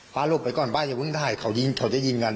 ป้าหลบไปก่อนป้าอย่าเพิ่งถ่ายเขาจะยิงกัน